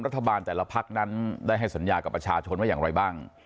แต่ละพักนั้นได้ให้สัญญากับประชาชนว่าอย่างไรบ้าง